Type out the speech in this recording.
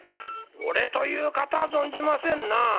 おれという方は存じませんなあ。